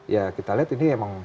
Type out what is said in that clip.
ya kita lihat ini emang